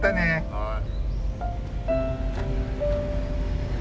はい。